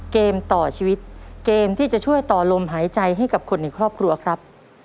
เกมต่อชีวิตเกมที่จะช่วยต่อลมหายใจให้กับคนในครอบครัวครับ